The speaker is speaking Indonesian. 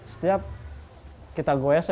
setiap kita goyase